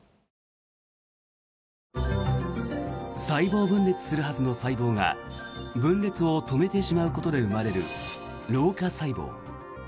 細胞分裂するはずの細胞が分裂を止めてしまうことで生まれる老化細胞。